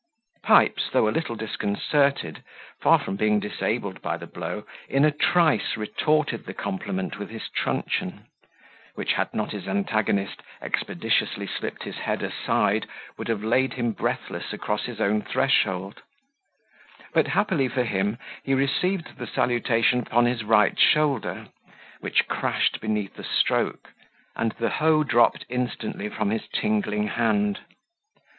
Pipes, though a little disconcerted, far from being disabled by the blow, in a trice retorted the compliment with his truncheon, which, had not his antagonist expeditiously slipped his head aside, would have laid him breathless across his own threshold; but, happily for him, he received the salutation upon his right shoulder, which crashed beneath the stroke, and the hoe dropped instantly from his tingling hand.